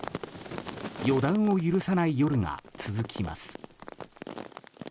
予断を許さない夜が続きます。